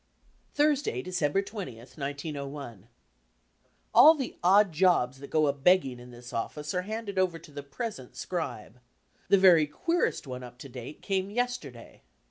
Thursday, December 20, 1901 All the odd fobs that go a begging in this ofBce are handed over to the present scribe. The very queerest one up to date came yesterday.